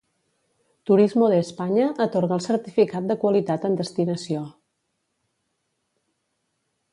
Turismo de España atorga el certificat de Qualitat en Destinació.